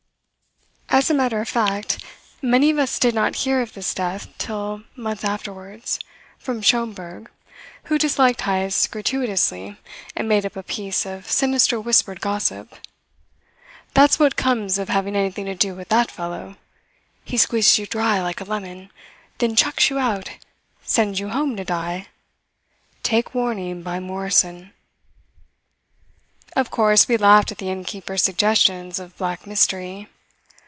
As a matter of fact, many of us did not hear of this death till months afterwards from Schomberg, who disliked Heyst gratuitously and made up a piece of sinister whispered gossip: "That's what comes of having anything to do with that fellow. He squeezes you dry like a lemon, then chucks you out sends you home to die. Take warning by Morrison!" Of course, we laughed at the innkeeper's suggestions of black mystery.